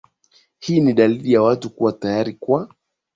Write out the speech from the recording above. hii ni dalili ya watu kuwa tayari kwa